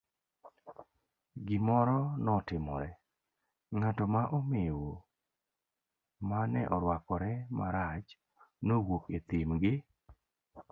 Gimoro notimore, ng'ato ma omewo mane oruakore machach, nowuok e nyim gi.